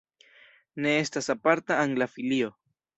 Ne estas aparta angla filio.